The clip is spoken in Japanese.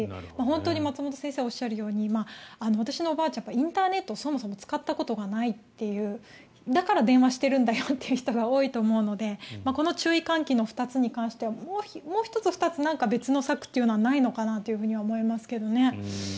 松本先生がおっしゃるように私のおばあちゃんはインターネットをそもそも使ったことがないというだから電話をしているんだよっていう人が多いと思うのでこの注意喚起の２つに関してはもう１つ、２つ別の策はないのかなと思いますけどね。